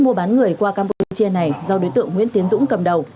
mua bán người qua campuchia này do đối tượng nguyễn tiến dũng cầm đầu